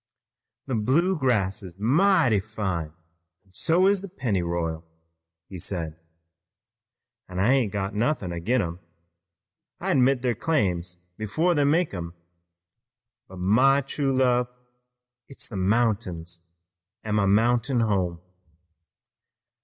"The Bluegrass is mighty fine, an' so is the Pennyroyal," he said, "an' I ain't got nothin' ag'in em. I admit their claims before they make 'em, but my true love, it's the mountains an' my mountain home.